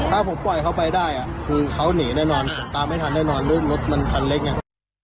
ถ้าผมปล่อยเขาไปได้คือเขาหนีแน่นอนผมตามไม่ทันแน่นอนเรื่องรถมันคันเล็กไง